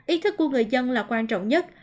ý thức của người dân là quan trọng nhất